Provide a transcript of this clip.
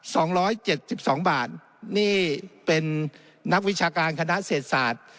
สองร้อยเจ็ดสิบสองบาทนี่เป็นนักวิชาการคณะเศษศาสตร์